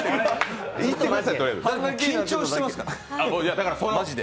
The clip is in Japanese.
緊張してますから、マジで。